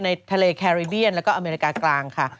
ในทะเลแคริเบียนแล้วก็อเมริกากลางค่ะ